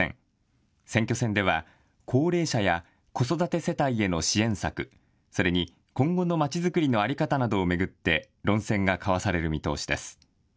選挙戦では高齢者や子育て世帯への支援策、それに今後のまちづくりの在り方などを巡って論戦が交わされる見通しです。